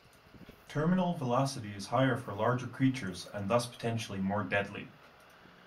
Terminal velocity is higher for larger creatures, and thus potentially more deadly.